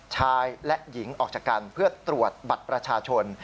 ชายและหญิงออกจากกันเพื่อตรวจบัตรประชาชน